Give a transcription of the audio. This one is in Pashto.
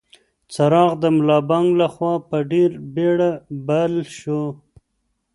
څراغ د ملا بانګ لخوا په ډېرې بېړه بل شو.